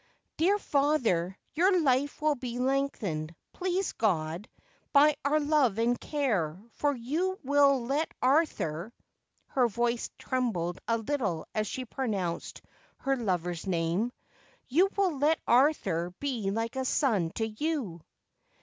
' Dear father, your life will be lengthened, please God, by our love and care, for you will let Arthur ' her voice trem bled a little as she pronounced her lover's name —' you will let Arthur be like a son to you.'